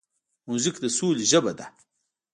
موزیک د سولې ژبه ده.